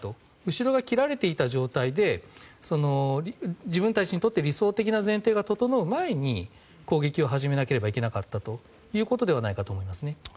後ろが切られていた状態で自分たちにとって理想的な前提が整う前に攻撃を始めなければいけなかったということではないかと思いますね。